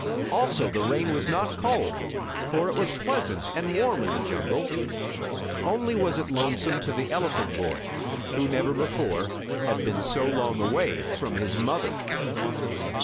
Also the rain was not cold, for it was pleasant and warm in the jungle. Only it was lonesome to the elephant boy, who, never before, had been so long away from his mother.